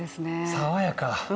爽やか！